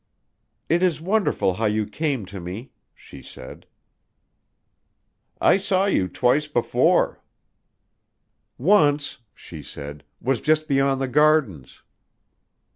"It is wonderful how you came to me," she said. "I saw you twice before." "Once," she said, "was just beyond the Gardens."